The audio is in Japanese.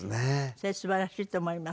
それすばらしいと思います。